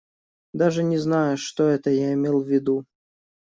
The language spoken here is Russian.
Даже не знаю, что это я имел в виду.